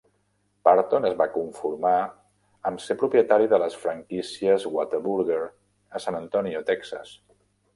Burton es va conformar amb ser propietari de les franquícies Whataburger a San Antonio (Texas).